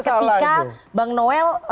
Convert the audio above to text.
ketika bang noel